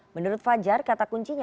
menurut fajar kata kuncinya